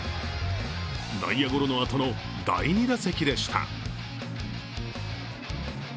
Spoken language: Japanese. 内野ゴロのあとの第２打席でした。